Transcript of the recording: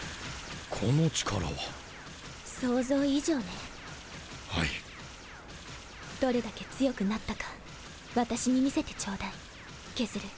この力は想像以上ねはいどれだけ強くなったか私に見せてちょうだいケズル